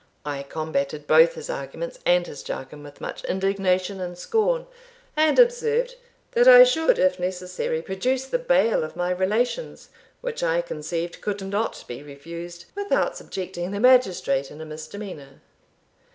I combated both his arguments and his jargon with much indignation and scorn, and observed, "That I should, if necessary, produce the bail of my relations, which I conceived could not be refused, without subjecting the magistrate in a misdemeanour."